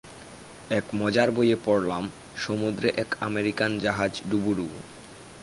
এক মজার বইয়ে পড়লাম, সমুদ্রে এক আমেরিকান জাহাজ ডুবু ডুবু।